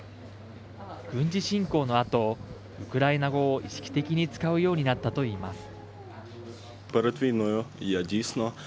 軍事侵攻のあとウクライナ語を意識的に使うようになったといいます。